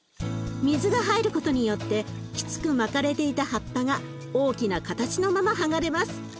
水が入ることによってきつく巻かれていた葉っぱが大きな形のまま剥がれます。